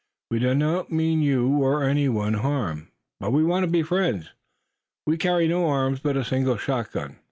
We do not mean you, or any one, harm; but want to be friends. We carry no arms but a single shotgun."